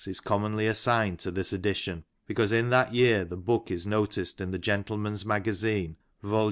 61 is commonly assigned to this edition, because in that year the book is noticed in the Gentleman's Magazine^ vol.